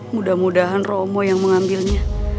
mudah mudahan romo yang mengambilnya